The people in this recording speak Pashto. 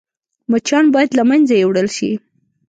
مچان باید له منځه يوړل شي